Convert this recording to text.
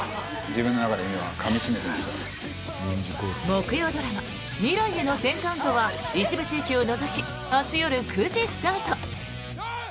木曜ドラマ「未来への１０カウント」は一部地域を除き明日夜９時スタート。